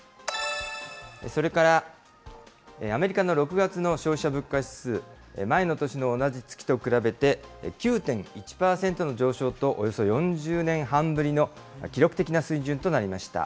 それから、アメリカの６月の消費者物価指数、前の年の同じ月と比べて９．１％の上昇と、およそ４０年半ぶりの記録的な水準となりました。